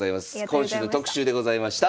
今週の特集でございました。